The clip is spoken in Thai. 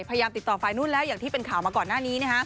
พยายามติดต่อฝ่ายนู้นแล้วอย่างที่เป็นข่าวมาก่อนหน้านี้